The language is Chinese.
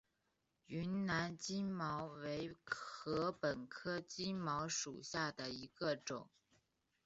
云南金茅为禾本科金茅属下的一个种。